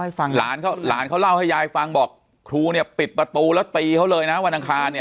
ครูแป๊งยายก็บอกว่าล้านเขาเล่าให้ยายฟังบอกครูปิดประตูแล้วตารีเขาเลยนะวันอังคารมีหรือไม่